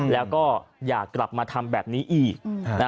แล้วก็อยากกลับมาทำแบบนี้อีก